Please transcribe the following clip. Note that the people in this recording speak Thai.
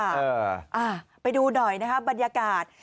อ่าไปดูหน่อยนะคะบรรยากาศ